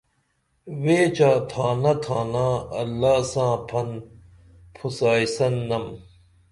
ویچیہ تھانہ تھانا اللہ ساں پھن پُھسائیسن نم